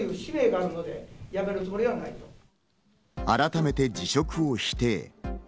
改めて辞職を否定。